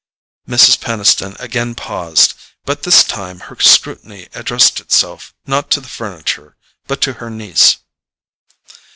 Mrs. Peniston again paused, but this time her scrutiny addressed itself, not to the furniture, but to her niece.